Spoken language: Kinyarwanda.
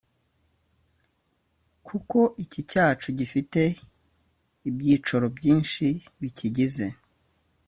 kuko iki cyacu gifite ibyicoro byinshi bikigize